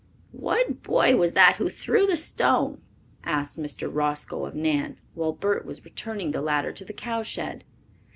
"What boy was that who threw the stone?" asked Mr. Roscoe of Nan, while Bert was returning the ladder to the cow shed.